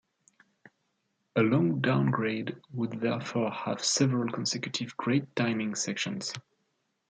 A long downgrade would therefore have several consecutive grade-timing sections.